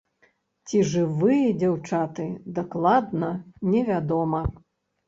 Ці жывыя дзяўчаты, дакладна не вядома.